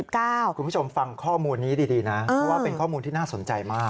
คุณผู้ชมฟังข้อมูลนี้ดีนะเพราะว่าเป็นข้อมูลที่น่าสนใจมาก